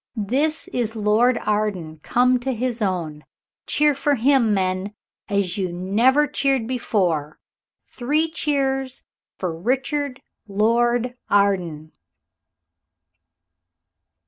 "This is Lord Arden, come to his own. Cheer for him, men, as you never cheered before. Three cheers for Richard Lord Arden!"